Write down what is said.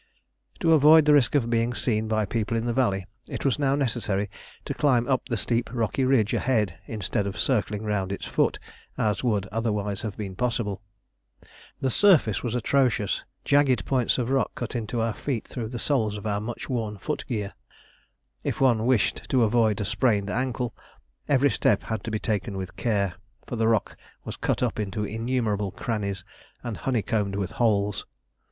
To avoid the risk of being seen by people in the valley, it was now necessary to climb up the steep rocky ridge ahead instead of circling round its foot as would otherwise have been possible. The surface was atrocious; jagged points of rock cut into our feet through the soles of our much worn footgear. If one wished to avoid a sprained ankle, every step had to be taken with care, for the rock was cut up into innumerable crannies and honeycombed with holes.